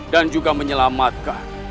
dan juga menyelamatkan